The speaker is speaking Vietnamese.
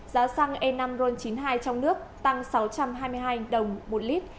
giá xăng e năm ron chín mươi hai trong nước tăng sáu trăm hai mươi hai đồng một lít